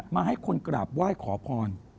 มาให้คนกราบไหว้ขอพร